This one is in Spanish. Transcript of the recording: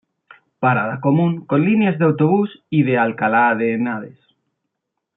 Parada común con líneas de autobús y de Alcalá de Henares.